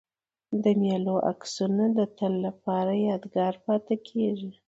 د مېلو عکسونه د تل له پاره یادګار پاته کېږي.